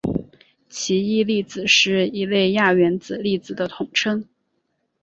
奇异粒子是一类亚原子粒子的统称。